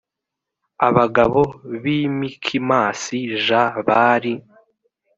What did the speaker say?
abagabo b i mikimasi j bari